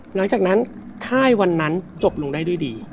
หลังจากนั้นค่ายวันนั้นจบลงได้ด้วยดี